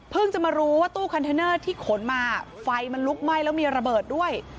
จะมารู้ว่าตู้คอนเทนเนอร์ที่ขนมาไฟมันลุกไหม้แล้วมีระเบิดด้วย